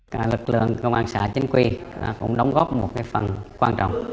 cả lực lượng công an xã chính quy cũng đóng góp một phần quan trọng